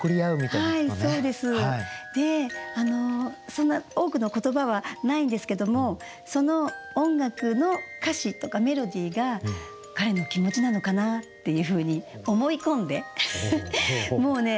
そんな多くの言葉はないんですけどもその音楽の歌詞とかメロディーが彼の気持ちなのかなっていうふうに思い込んでもうね